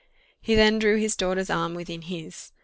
He then drew his daughter's arm within his.